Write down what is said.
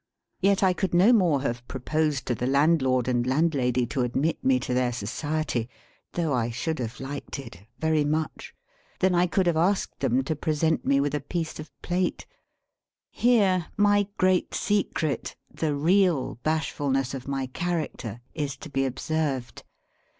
Yet I could no more have proposed to the landlord and landlady to admit me to their society (though I should have liked it very much) than I could have asked them to present me with a piece of plate. Here my great secret, the real bashfulness of my character, is to be observed.